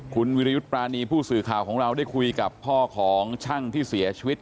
คุณวิรยุทธ์ปรานีผู้สื่อข่าวของเราได้คุยกับพ่อของช่างที่เสียชีวิต